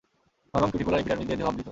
নরম cuticular epidermis দিয়ে দেহ আবৃত।